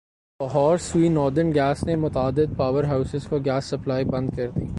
Lahore Sui northern gas نے متعدد power houses کو گیس سپلائی بند کر دی